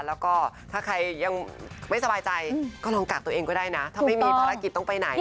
แล้วก็ถ้าใครยังไม่สบายใจก็ลองกากตัวเองก็ได้นะถ้าไม่มีภารกิจต้องไปไหน